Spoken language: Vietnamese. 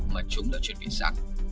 mà chúng đã chuẩn bị sẵn